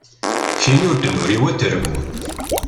Tin ur d-nuriw ad d-terbu.